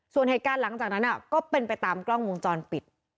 ส่วนเหตุการณ์หลังจากนั้นก็เป็นไปตามกล้องวงจรปิด